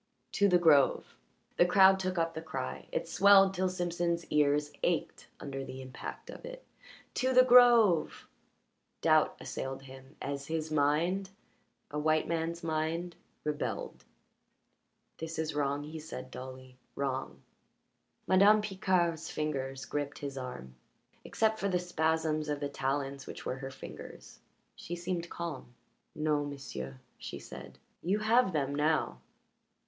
"To the grove!" The crowd took up the cry; it swelled till Simpson's ears ached under the impact of it. "To the grove!" Doubt assailed him as his mind a white man's mind rebelled. "This is wrong," he said dully; "wrong." Madame Picard's fingers gripped his arm. Except for the spasms of the talons which were her fingers she seemed calm. "No, m'sieu'," she said. "You have them now.